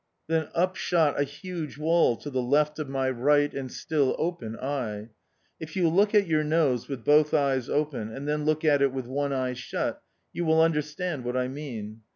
Then up shot a huge wall to the left of my right and still open eye. If you look at your nose with both eyes open, and then look at it with one eye shut, you will understand what I mean.